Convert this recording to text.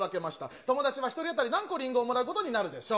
友達は１人当たり何個リンゴをもらうことになるでしょう。